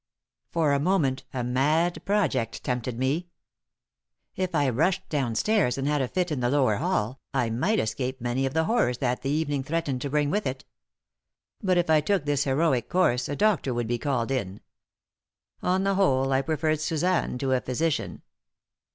For a moment, a mad project tempted me. If I rushed downstairs and had a fit in the lower hall, I might escape many of the horrors that the evening threatened to bring with it. But if I took this heroic course a doctor would be called in. On the whole, I preferred Suzanne to a physician.